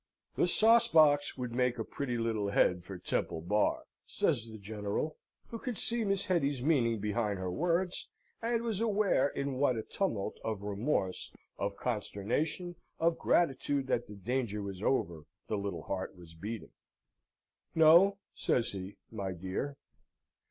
"The sauce box would make a pretty little head for Temple Bar," says the General, who could see Miss Hetty's meaning behind her words, and was aware in what a tumult of remorse, of consternation, of gratitude that the danger was over, the little heart was beating. "No," says he, "my dear.